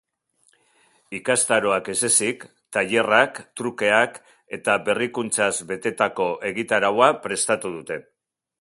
Ikastaroak ez ezik, tailerrak, trukeak eta berrikuntzaz betetako egitaraua prestatu dute.